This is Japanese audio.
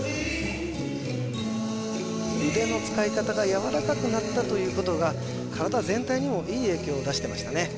腕の使い方がやわらかくなったということが体全体にもいい影響を出してましたね